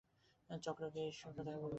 চক্রকে ঈশ্বর কোথায় বলল?